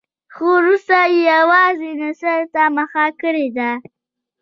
خو وروسته یې یوازې نثر ته مخه کړې ده.